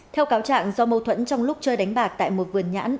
theo cáo trạng do mâu thuẫn trong lúc chơi đánh bạc tại một vườn nhãn